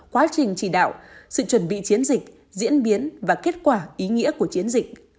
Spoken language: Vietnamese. quá trình chỉ đạo sự chuẩn bị chiến dịch diễn biến và kết quả ý nghĩa của chiến dịch